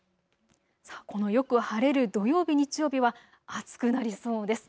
このよく晴れる土曜日、日曜日は暑くなりそうです。